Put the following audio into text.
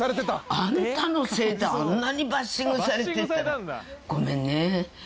あんたのせいであんなにバッシングされてって言ったら。